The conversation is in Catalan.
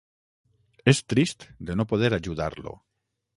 És trist de no poder ajudar-lo!